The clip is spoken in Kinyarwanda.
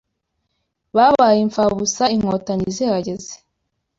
Babaye impfabusa inkotanyi zihageze